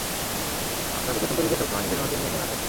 আপনার মতো সুন্দরীদের সবসময়ে নিজের মাকে নিয়ে মনে আক্ষেপ থাকে।